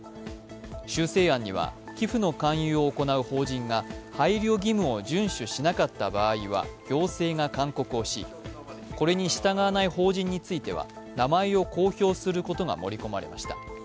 修正案には寄付の勧誘を行う法人が配慮義務を順守しなかった場合は行政が勧告をし、これに従わない法人については名前を公表することが盛り込まれました。